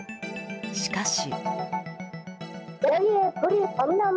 しかし。